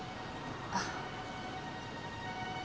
あっ。